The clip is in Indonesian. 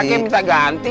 kayak minta ganti